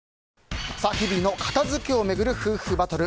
日々の片付けを巡る夫婦バトル。